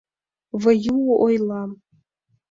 — Выю ойла.